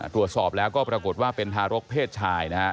ตรวจสอบแล้วก็ปรากฏว่าเป็นทารกเพศชายนะฮะ